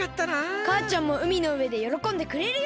かあちゃんもうみのうえでよろこんでくれるよ！